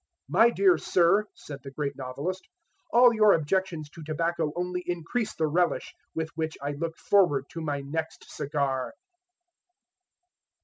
'My dear sir,' said the great novelist, 'all your objections to tobacco only increase the relish with which I look forward to my next cigar!'"